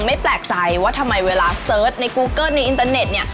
ไม่แปลกใจว่าทำไมเวลาเสิร์ชในกูเกิ้ลในอินเตอร์เน็ตเนี่ย